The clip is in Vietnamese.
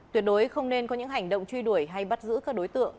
tuyệt đối không nên có những hành động truy đuổi hay bắt giữ các đối tượng